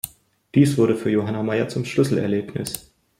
Dies wurde für Johanna Maier zum Schlüsselerlebnis.